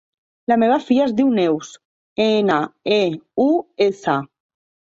La meva filla es diu Neus: ena, e, u, essa.